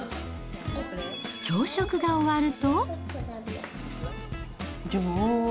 朝食が終わると。